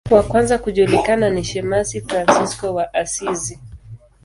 Wa kwanza kujulikana ni shemasi Fransisko wa Asizi.